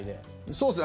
そうですね。